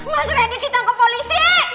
mas randy ditangkap polisi